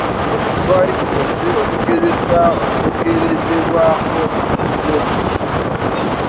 Awo nno twali tukoze okugezesa okugerezebwako okulungi.